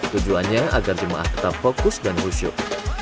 tujuannya agar jemaah tetap fokus dan khusyuk